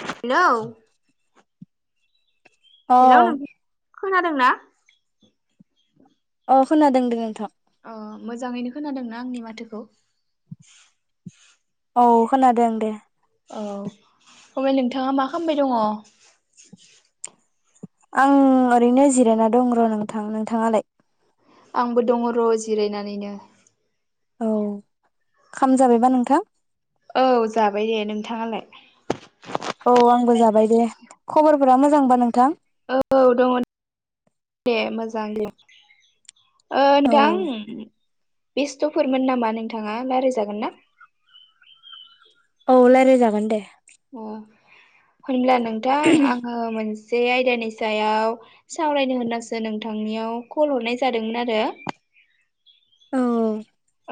Hello. अ । नोंथां खोनादों ना? अ खोनादों दे नोंथां । अ मोजाङैनो खोनादों ना आंनि माथोखौ? औ खोनादों दे । औ [unintelligible] नोंथाङा मा खालामबाय दङ? आं ओरैनो जिरायना दं र नोंथां नोंथाङालाय? आंबो दङ' र जिरायनानैनो । औ खाम जाबायबा नोंथां? औ जाबाय दे नोंथाङालाय? औ आंबो जाबाय दे । खबरफोरा मोजांबा नोंथां? औ दङ दे मोजां लिर। ओ औ नोंथां। बेस्थफोरमोन नामा नोंथाङा रायलाय जागोन ना। ओ रायलाय‌ जागोन दे। अ। होनब्ला नों। नोंथां आङो मोनसे। जे आयदानि सायाव सावरायनो होननासो नोंथांनियाव कल हरनाय जादोंमोन आरो। औ।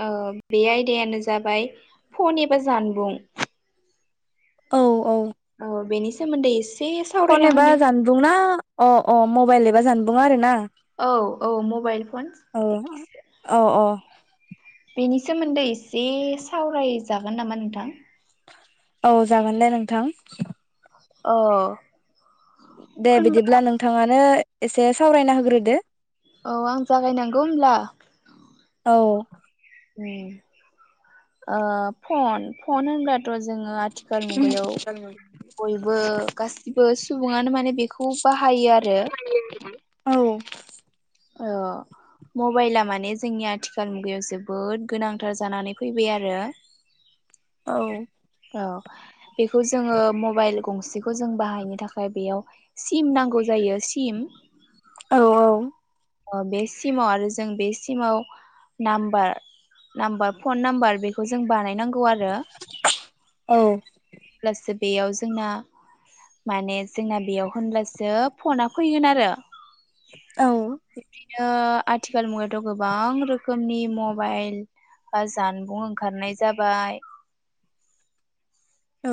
ओ बे आयदायानो जाबाय फन एबा जानबुं। औ। औ औ बेनि। सोमोनदै एसे। फन सावरायना एबा होनो जानबुंना अ-अ मबाइल एफ। माबा जानबुङा आरो ना। औ औ मबेइल फन औ एखेसो। औ औ बेनि सोमोन्दै एसे सावरायजागोन नामा नोंथां। औ जागोनलै नोंथां। औ। दे बिदिब्ला नोंथाङानो। एसे सावरायना होग्रोदो। औ आं जागायनांगौ होनब्ला। औ। ओ फन फन होनब्ला। थ जोङो आथिखाल मुगायाव। बयबो गासिब गो सुबुङानो माने। बेखौ बाहायो आरो। औ ओ मबाइला माने जोंनि आथिखाल मुगायाव जोबोद गोनांथार जानानै फैबाय आरो। औ। औ बेखौ जोङो मबाइल गंसेखौ जों बाहायनो थाखाय बेयाव सिम नांगौ जायो सिम। औ औ। बे सिमाव आरो जों बे सिमाव नामबार नामबार फन नाम्बार बेखौ जों बानायनांगौ। गौ आरो औ [inaudible] बेयाव जोंना माने जोंना बेयाव होनब्लासो फना फैगोन आरो। औ बिदिनो आथिखाल मुगायावाथ गोबां रोखोमनि मबाइल ओ जानबुं ओंखारनाय जाबाय।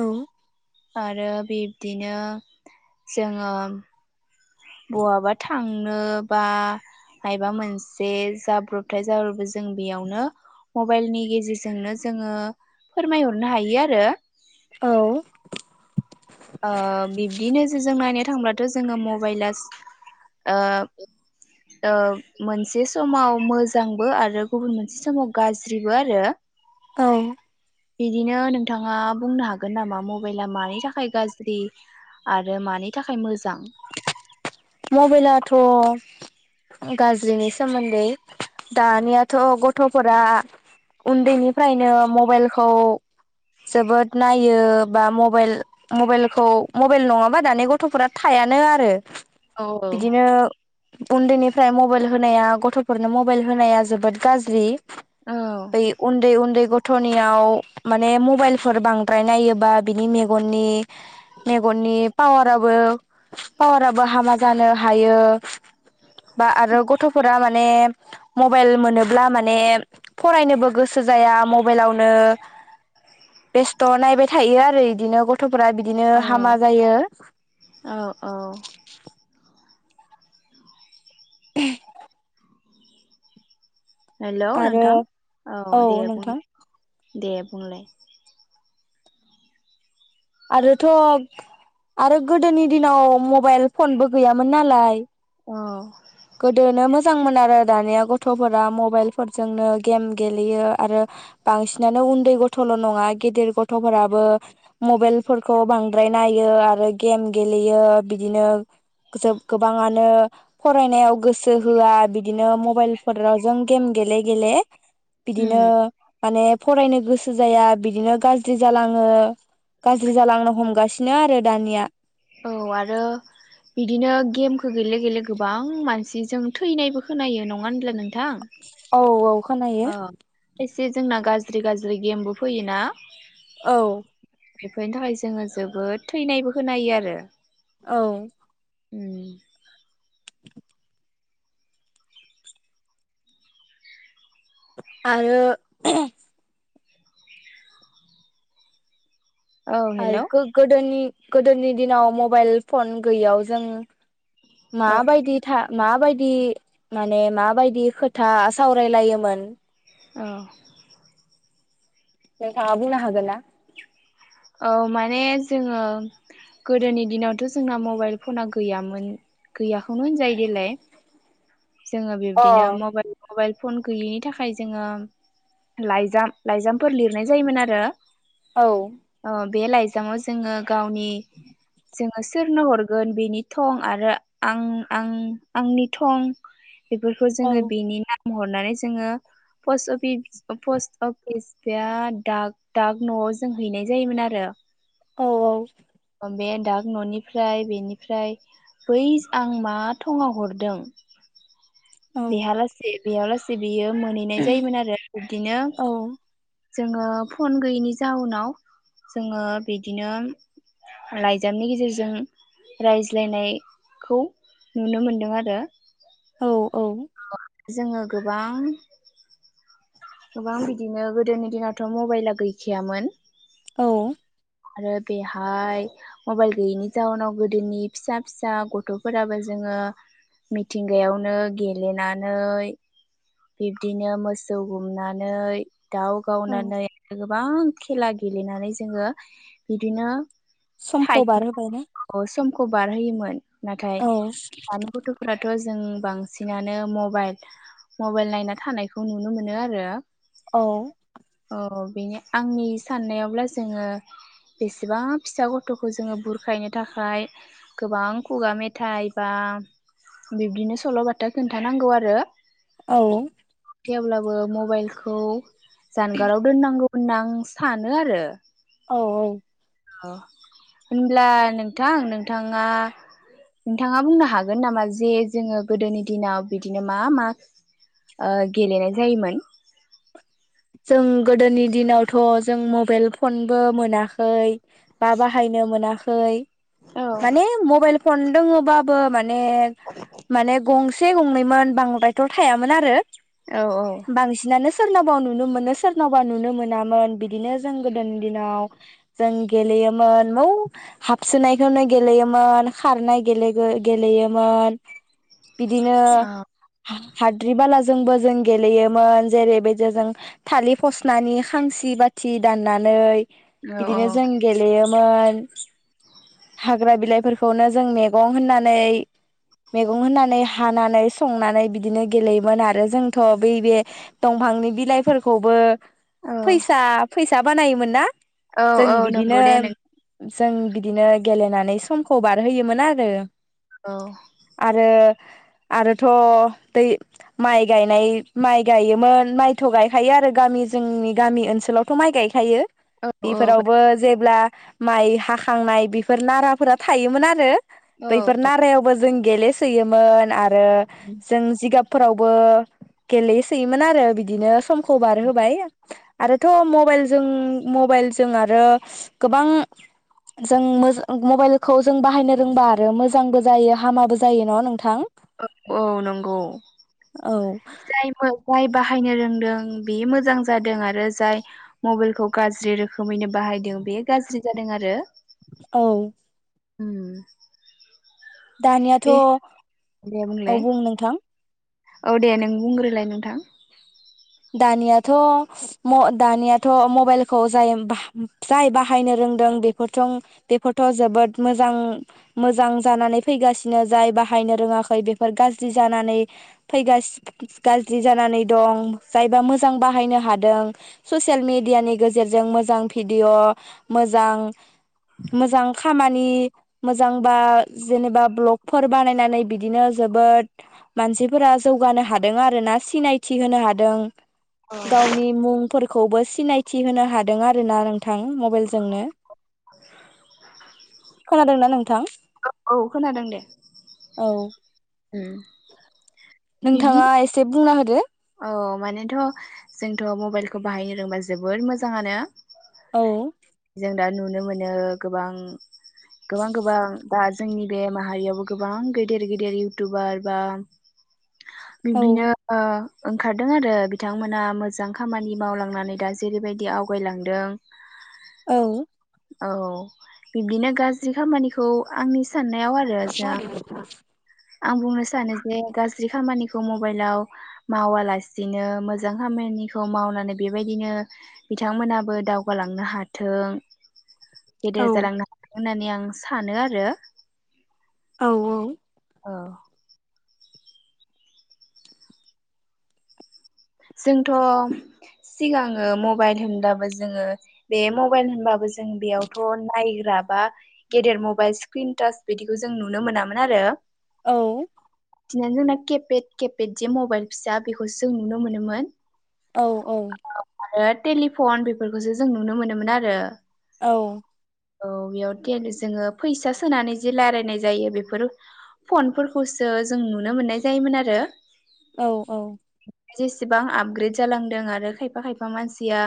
[unintelligible] आरो बिब्दिनो जोङो। बहाबा थांनो बा मायबा मोनसे जाब्रबथाय जाबाबो जों बेयावनो मबायलनि गेजेरजोंनो जोंङो फोरमायहरनो हायो आरो। औ ओ बिब्दिनो जो जों नायनो थांब्लाथ जोंङो मबायला ओ ओ मोनसे समाव मोजांबो आरो गुबुन मोनसे समाव गाज्रिबो आरो। औ बिदिनो नोंथाङा बुंनो हागोन नामा मबायला मानि थाखाय गाज्रि आरो मानि थाखाय मोजां मबायलाथ गाज्रिनि सोमोन्दै दानियाथ गथ'फोरा उन्दैनिफ्रायनो मबायलखौ जोबोद नायो बा मबायल-मबायलखौ-मबायल नंङाबा दानि गथ'फोरा थायानो आरो। औ औ बिदिनो उन्दैनिफ्राय मबायल होनाया गथ'फोरनो मबायल होनाया जोबोद गाज्रि। औ बै उन्दै उन्दै ग थ'नियाव माने मबायल फोर बांद्राय नायोबा बिनि मेगननि-मेगननि पावाराबो-पावाराबो हामा जानो हायो बा आरो गथ'फोरा मा माने मबायल मोनोब्ला माने फरायनोबो गोसो जाया मबायलावनो बेस्थ नायबाय थायो आरो इदिनो गथ' फोरा बिदिनो औ हामा जायो। औ औ [unintelligible] हेलौ आरो नोंथां औ दे बुं दे बुंलाय आरोथ आरो गोदोनि दिनाव मबायल फनबो गैयामोन नालाय औ मोजां मोन आरो दानिया गथ'फोरा मबायलफोरजोंनो गेम गेलेयो आरो बांसिनानो उन्दै गथ'ल नंङा गिदिर गथफोराबो मबायलफोरखौ बांद्राय नायो आरो गेम गेलेयो बिदिनो जोब गोबांङानो फरायनायाव गोसो होआ बिदिनो मबायलफोराव जों गेम गेले-गेले उम बिदिनो माने फरायनो गोसो जाया बिदिनो गाज्रि जालांङो। गाज्रि जालांनो हमगासिनो आरो दानिया औ गेले-गेले गोबां मानसि जों थैनायबो खोनायो नंङा होनब्ला नों थां औ औ खोनायो से जोंना गाज्रि-गाज्रि गेमबो फैयोना औ बेफोरनि थाखाय जोंङो जोबोद थैनायबो खोनायो आरो। औ अम [inaudible] आरो औ आरो हेलौ गो गोदोनि गोदोनि दिनाव मबायल फन गैयाव जों औ माबायदि था माबायदि माने माबायदि खोथा सावरायलायोमोन औ नोंथाङा बुंनो हागोन ना औ माने जोङो गोदोनि दिनावथ जोंना मबाइल फना गैयामोन गैयाखौनो होनजायो देलाय जोङो अ बिब्दिनो मबाइल मबाइल फन गैयैनि थाखाय जोङो लाइजाम लाइजामफोर लिरनाय जायोमोन आरो औ ओ बे लाइजामाव जोङो गावनि जोङो सोरनो हरगोन बेनि थं आरो आं-आं-आंनि थं बेफोरखौ औ जोङो बेनि नाम हरनानै जोङो फस अफि फस्त अफिस बेया दाग दाग न'आव जों हैनाय जायोमोनआरो औ औ बे दाग ननिफ्राय बेनिफ्राय बै आं मा थङाव हरदों औ बेेहालासे बेयावलासे बियो मोनहैनाय जायोमोन आरो बिब्दिनो औ जोङो फन गैयैनि जाउनाव जोङो बिदिनो लाइजामनि गेजेरजों रायज्लायनायखौ नुनो मोनदोंआरो औ औ जोङो गोबां गोबां बिदिनो गोदोनि दिनावथ मबाइला गैखायामोन औ आरो बेहाय मबाइल गैयैनि जाउनाव गोदोनि फिसा फिसा गथफोराबो जोङो मिथिंगायावनो गेलेनानै बिब्दिनो मोसौ गुमनानै दाउ औ गावनानै लोगो गोबां खेला गेलेनानै जोङो बिदिनो समखौ बारहोबाय ना खौ बारहोयोमोन नाथाय दानि गथ फोराथ जों बांसिनानो मबाइल मबाइल नायना थानायखौ नुनो मोनोआरो औ अ बेनो आंनि साननायावब्ला जोङो बेसेबा फिसा गथ'खौ जोङो बुरखायनो थाखाय गोबां खुगा मेथाइ बा बिब्दिनो सल'बाथा खोनथानांगौ आरो औ थेवब्लाबो मबाइलखौ जानगाराव दोननांगौ होनना आं सानोआरो औ औ अ होनब्ला नोंथां नोंथाङा नोंथाङा बुंनो हागोन नामा जे जोङो गोदोनि दिनाव बिदिनो मा मा ओ गेलेनाय जायोमोन जों गोदोनि दिनावथ जों मबाइल फनबो मोनाखै बा बाहायनो मोनाख खै औ माने मबाइल फन दङबाबो माने ने माने गंस से गंनैमोन बांद्रायथ' थायामोन आरो औ बांसिनानो स सोरनावबा नु नुनो मोनो सोरनावबा नुनो मोनामोन बिदिनो जों गोदोनि दिनाव जों गेलेयोमोन मौ हाबसोनायखोनो गेलेयोमोन खारनाय गेलेगो गेलेयोमोन। बिदिनो हाद्रि बालाज जोंबो जों गेलेयोमोन जेरैबाजो जों थालि फसनानि खांसि बाथि दाननानै औ औ बिदिनो जों गेलेयो मोन हाग्रा बिलाइफोरखौनो जों मेगं होननानै मेगं होननानै हानानै संनानै बिदिनो गेलेयोमोन आरो जोंथ' बैबे दंफांनि बिलाइ फोरखौबो औ फैसा फैस दा बानायोमोन ना? औ जों औ बिदिनो नंगौ दे नों जों बिदिनो गेलेनानै समखौ बारहोयोमोन आरो। औ आरो आरोथ' दै माइ गायनाय माइ गायोमोन माइथ' गाय खायो आरो गामि जोंनि गामि ओनसोलावथ' माइ गायखायो। औ बेफोरावबो जेब्ला माइ हाखांनाय बेफोर नाराफोरा थायोमोन आरो। औ बैफोर नारायावबो जों गेलेसोयोमोन आ ओ जों जिगाब फोरावबो गेलेयोसोयोमोन आरो बिदिनो सम खौ बारहोबाय आरोथ मबाइलजों मबाइलजों आरो गोबां जों मोजा मबाइलखौ जों बाहायनो रोंबा आरो मोजांबो जायो हामाबो जायो ना नोंथां? औ औ नंगौ औ जायोमो जाय बाहायनो रोंदों बे मोजां जादों आरो जाय मबाइलखौ गाज्रि रोखोमैनो बाहायदों बेयो गाज्रि जादों आरो। औ। उम। दानियाथ' बे दे औ बुंलाय बुं नोंथां। औ दे नों बुंग्रोलाय नोंथां। दानियाथ म दानियाथ मबाइलखौ जाय बाहा जाय बाहायनो रोंदों बेफोरथ बेफोरथ जोबोद मोजां मोजां जानानै फैगासिनो जाय बाहायनो रोङाखै बेफोर गाज्रि जानानै फैगासि गाज्रि जानानै दं। जायबा मोजां बाहायनो हादों ससियेल मेडियानि गेजेरजों मोजां भिडिय मोजां मोजां खामानि मोजांबा जेनेबा ब्लगफोर बानायनानै बिदिनो जोबोद मानसिफोरा जौगानो हादों आरोना सिनायथि होनो हा दों। गावनि मुं फोरखौबो सिनायथि होनो हादों आरोना नोंथां मबाइलजोंनो। खोनादोंना नोंथां? औ औ खोनादों दे। औ उम। बिब्दि नोंथाङा एसे बुंना होदो। औ मानिथ जोंथ मबाइलखौ बाहायनो रोंबा जोबोद मोजाङानो। औ जों दा नुनो मोनो बिनो गोबां गोबां गोबां दा जोंनि बे माहारियावबो गोबां गेदेर गेदेर इउटुबार बा औ बिब्दिनो ओ ओंखारदों आरो बिथांमोना मोजां खामानि मावलांनानै दा जेरैबायदि आवगायलांदों औ। औ बिब्दिनो गाज्रि खामानिखौ आंनि सान्नायाव आरो जों आं बुंनो सानो जे गाज्रि जि खामानिखौ मबाइलाव मावालासिनो मोजां खामानिखौ मावनानै बेबायदिनो बिथांमोनाबो दावगालांनो हाथों। औ गेदेर जालांनो हाथों होन्नानै आं आं सानो आरो औ औ। औ। जोंथ सिगाङो मबाइल होनबाबो जोङो बे मबाइल होनबाबो जो जों बेयावथ नायग्रा बा गेदेर मबाइल स्क्रिन थास बिदिखौ जों नुनो मोनामोन आरो औ। दिनानो जोंना खेफेथ खेफेथ जे मबाइल फिसा बेखौ जों नुनो मो नोमोन। औ औ। टेलिफन बेफोरखौसो जों नुनो मोनोमोन आरो औ। औ बेयाव दैलि जोङो फैसा सोनानै जे रायलायनाय जायो बेफोर फनफोरखौसो जों नुनो मोन्नाय जायोमोन आरो। औ औ। जेसेबां आफग्रेद जालांदों आरो खायफा खायफा मानसिया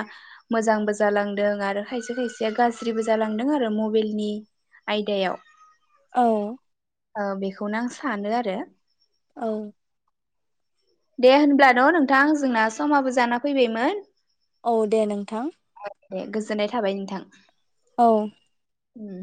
मोजांबो जालांदों आरो खायसे खायसेया गाज्रिबो जालांदों आरो मबाइलनि आयदायाव। औ ओ बेखौनो आं सानो आरो औ दे होनब्ला न नोंथां जोंना समाबो जाना फैबायमोन औ दे नोंथां दे गोजोननाय थाबाय नोंथां औ उम